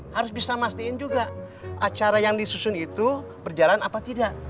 harus bisa memastikan juga acara yang disusun itu berjalan apa tidak